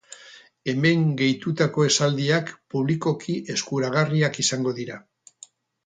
Hemen gehitutako esaldiak publikoki eskuragarriak izango dira.